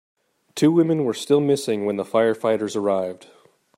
Two women were still missing when the firefighters arrived.